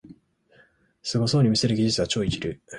すごそうに見せる技術は超一流